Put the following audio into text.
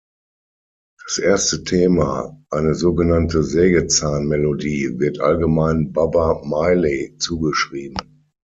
Das erste Thema, eine sogenannte „Sägezahn-Melodie“ wird allgemein Bubber Miley zugeschrieben.